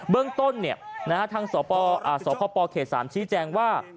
เรื่องต้นทางสพเขต๓ชี้แจงว่า